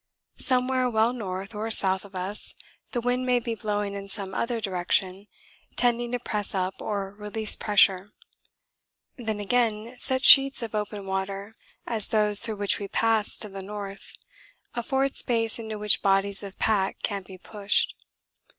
Somewhere well north or south of us the wind may be blowing in some other direction, tending to press up or release pressure; then again such sheets of open water as those through which we passed to the north afford space into which bodies of pack can be pushed.